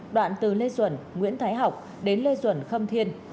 đoạn từ lê duẩn nguyễn thái học đến lê duẩn khâm thiên